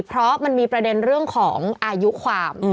เพราะมันมีประเด็นเรื่องของอายุความ